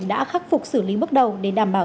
đã khắc phục xử lý bước đầu để đảm bảo